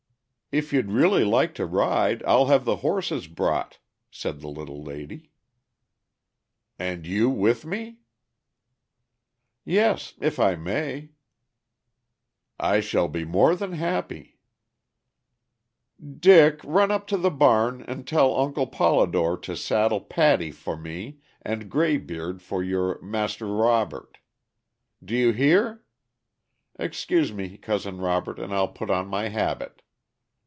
"If you'd really like to ride, I'll have the horses brought," said the little lady. "And you with me?" "Yes, if I may." "I shall be more than happy." "Dick, run up to the barn and tell Uncle Polidore to saddle Patty for me and Graybeard for your Mas' Robert. Do you hear? Excuse me, Cousin Robert, and I'll put on my habit."